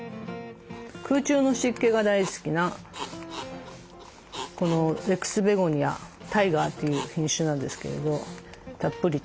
空中の湿気が大好きなこのレックスベゴニア・タイガーという品種なんですけれど。